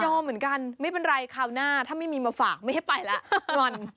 รอเหมือนกันไม่เป็นไรคราวหน้าถ้าไม่มีมาฝากไม่ให้ไปแล้วงอน